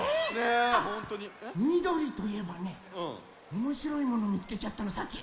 みどりといえばねおもしろいものみつけちゃったのさっき。